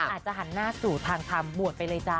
อาจจะหันหน้าสู่ทางธรรมบวชไปเลยจ้า